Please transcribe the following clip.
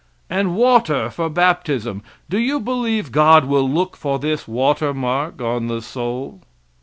And water for baptism! Do you believe God will look for this water mark on the soul?